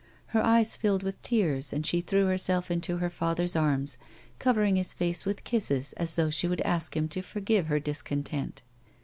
Her eyes filled with tears, and she threw herself into her father's arms, covering his face with kisses as though she would ask him to forgive her discontent.